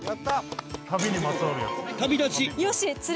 旅にまつわるやつ。